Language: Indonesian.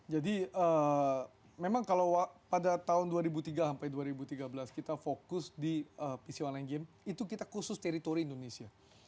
jadi memang kalau pada tahun dua ribu tiga sampai dua ribu tiga belas kita fokus di pc online game itu kita khusus teritori indonesia